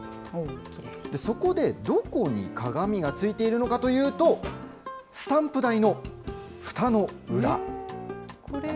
そこで、どこに鏡がついているのかというと、スタンプ台のふたの裏。